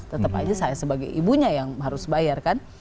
tetap aja saya sebagai ibunya yang harus bayar kan